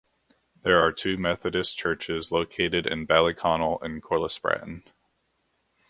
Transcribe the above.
There are two Methodist churches located in Ballyconnell and Corlespratten.